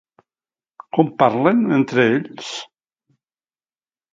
Com parlen entre ells?